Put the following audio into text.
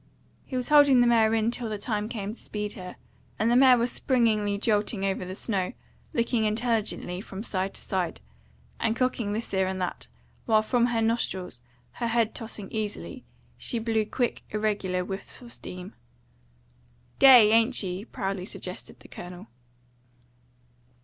He was holding the mare in till the time came to speed her, and the mare was springily jolting over the snow, looking intelligently from side to side, and cocking this ear and that, while from her nostrils, her head tossing easily, she blew quick, irregular whiffs of steam. "Gay, ain't she?" proudly suggested the Colonel.